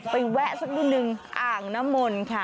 ไปแวะสักนึงอ่างนมลค่ะ